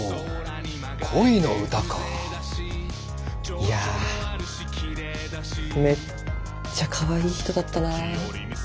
いやめっちゃかわいい人だったな。